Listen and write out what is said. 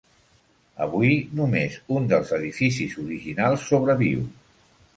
Avui només un dels edificis originals sobreviu.